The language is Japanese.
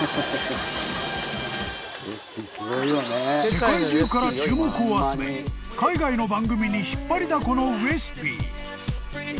［世界中から注目を集め海外の番組に引っ張りだこのウエスＰ］